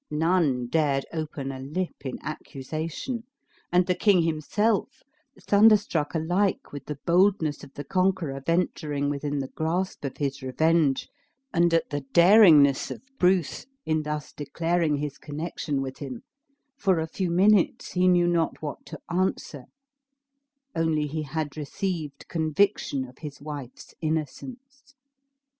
None dared open a lip in accusation; and the king himself, thunderstruck alike with the boldness of the conqueror venturing within the grasp of his revenge and at the daringness of Bruce in thus declaring his connection with him, for a few minutes he knew not what to answer; only he had received conviction of his wife's innocence!